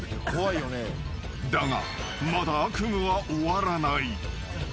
［だがまだ悪夢は終わらない］